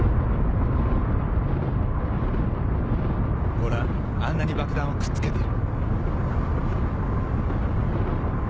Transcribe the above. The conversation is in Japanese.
ご覧あんなに爆弾をくっつけてる。